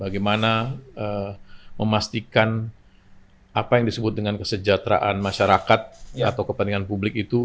bagaimana memastikan apa yang disebut dengan kesejahteraan masyarakat atau kepentingan publik itu